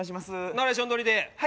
ナレーション録りで？